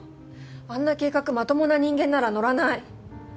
あんな計画まともな人間なら乗らない。